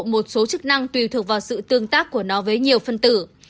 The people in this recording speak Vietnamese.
một số chức năng tùy thuộc vào sự tương tác của nó với nhiều phân tử